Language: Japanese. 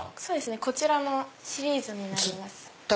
こちらのシリーズになります。